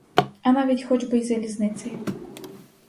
А навіть хоч би й залізницею?